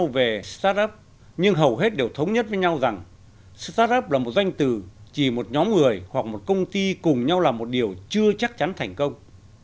có nhiều khái niệm khác nhau về start up nhưng hầu hết đều thống nhất với nhau rằng start up là một doanh tử chỉ một nhóm người hoặc một công ty cùng nhau là một điều chưa chắc chắn thành công